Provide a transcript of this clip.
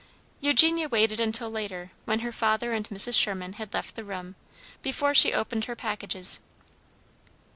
Eugenia waited until later, when her father and Mrs. Sherman had left the room, before she opened her packages.